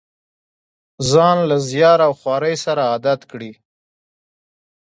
ځان له زیار او خوارۍ سره عادت کړي.